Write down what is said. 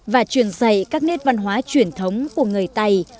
và truyền dạy các nét văn hóa truyền thống của người tày